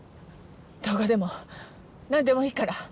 動画でも何でもいいから。